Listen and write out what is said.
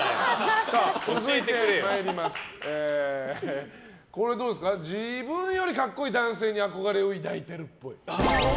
続いて、自分よりかっこいい男性に憧れを抱いてるっぽい。